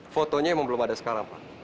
fotonya memang belum ada sekarang pak